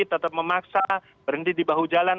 tetap memaksa berhenti di bahu jalan